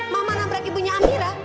mama nabrak ibunya amira